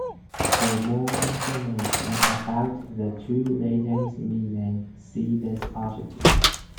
For more information about the two ratings' meaning, see this article.